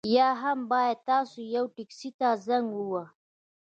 یا هم باید تاسو یوه ټکسي ته زنګ ووهئ